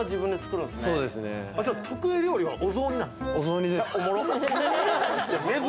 得意料理は、お雑煮なんですお雑煮です。